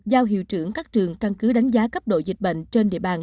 giao hiệu trưởng các trường căn cứ đánh giá cấp độ dịch bệnh trên địa bàn